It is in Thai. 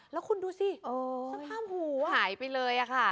แล้วคุณดูสิสภาพหูหายไปเลยค่ะ